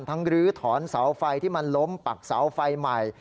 ลื้อถอนเสาไฟที่มันล้มปักเสาไฟใหม่